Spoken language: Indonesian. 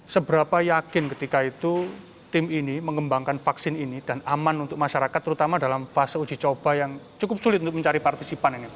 seberapa yakin ketika itu tim ini mengembangkan vaksin ini dan aman untuk masyarakat terutama dalam fase uji coba yang cukup sulit untuk mencari partisipan ini